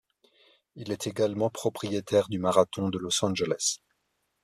Il est également propriétaire du Marathon de Los Angeles.